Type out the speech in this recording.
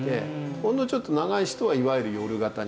ほんのちょっと長い人はいわゆる夜型になるんですね。